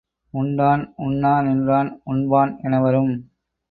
உண்டான், உண்ணா நின்றான், உண்பான் எனவரும்.